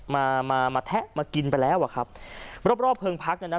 มามามาแทะมากินไปแล้วอ่ะครับรอบเพิงพักนั้นนะ